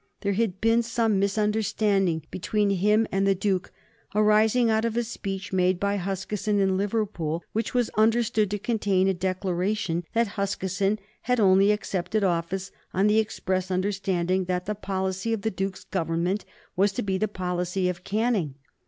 There had been some misunderstanding between him and the Duke, arising out of a speech made by Huskisson in Liverpool, which was understood to contain a declaration that Huskisson had only accepted office on the express understanding that the policy of the Duke's Government was to be the policy of Canning.